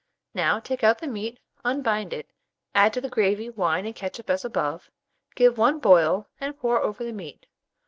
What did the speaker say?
Now take out the meat, unbind it, add to the gravy wine and ketchup as above, give one boil, and pour over the meat.